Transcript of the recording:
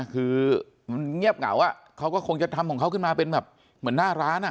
คือมันเงียบเหงาเขาก็คงจะทำของเขาขึ้นมาเป็นแบบเหมือนหน้าร้าน